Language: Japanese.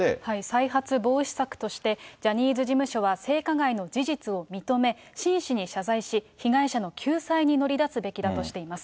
再発防止策として、ジャニーズ事務所は性加害の事実を認め、真摯に謝罪し、被害者の救済に乗り出すべきだとしています。